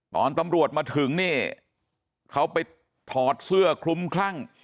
ตอนตำรวจมาถึงเนี่ยเขาไปถอดเสื้อคลุมคลั่ง